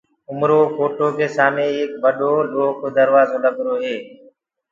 اُمرو ڪوٽو سآمي ايڪ ٻڏو لوه ڪو دروآجو لگروئي